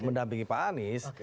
mendampingi pak anies